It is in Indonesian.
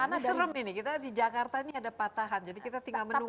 karena serem ini kita di jakarta ini ada patahan jadi kita tinggal menunggu